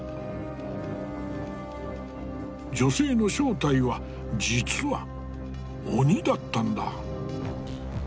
女性の正体は実は鬼だったんだ。